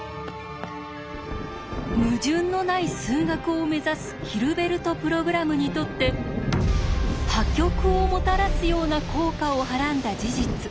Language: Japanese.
矛盾のない数学を目指すヒルベルト・プログラムにとって破局をもたらすような効果をはらんだ事実。